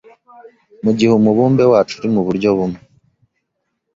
Mugihe umubumbe wacu uri muburyo bumwe